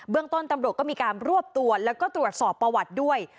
ต้นตำรวจก็มีการรวบตัวแล้วก็ตรวจสอบประวัติด้วย